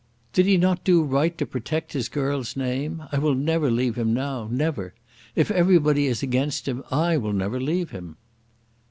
"Did he not do right to protect his girl's name? I will never leave him now; never. If everybody is against him, I will never leave him."